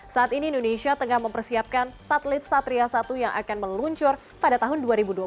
saat ini indonesia tengah mempersiapkan satelit satria satu yang akan meluncur pada tahun dua ribu dua puluh